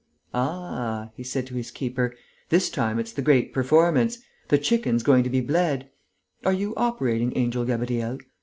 "Ah," he said to his keeper, "this time it's the great performance! The chicken's going to be bled. Are you operating, Angel Gabriel?